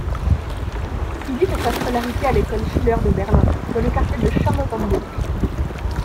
Ivy fait sa scolarité à l'école Schiller de Berlin, dans le quartier de Charlottenburg.